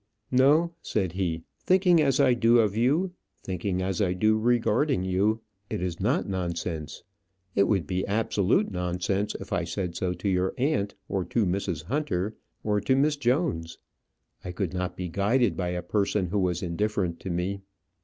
"No," said he; "thinking as I do of you, feeling as I do regarding you, it is not nonsense. It would be absolute nonsense if I said so to your aunt, or to Mrs. Hunter, or to Miss Jones. I could not be guided by a person who was indifferent to me.